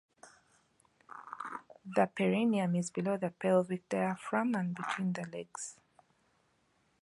The perineum is below the pelvic diaphragm and between the legs.